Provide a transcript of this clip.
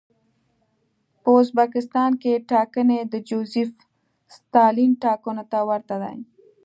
په ازبکستان کې ټاکنې د جوزېف ستالین ټاکنو ته ورته دي.